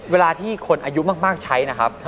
เวลาที่คนอายุมากใช้นะครับ